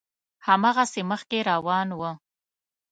هماغسې مخکې روان و.